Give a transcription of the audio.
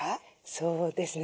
そうですね。